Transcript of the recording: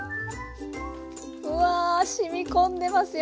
うわしみ込んでますよ